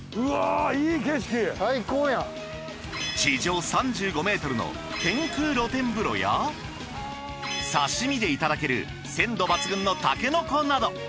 地上３５ｍの天空露天風呂や刺身でいただける鮮度抜群のタケノコなど。